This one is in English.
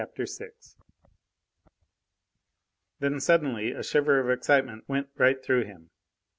VI Then suddenly a shiver of excitement went right through him.